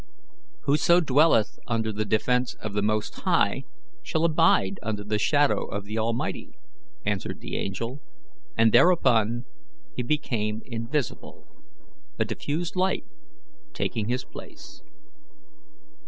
"'Whoso dwelleth under the defence of the Most High shall abide under the shadow of the Almighty,'" answered the angel, and thereupon he became invisible, a diffused light taking his place.